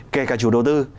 kể cả chủ đầu tư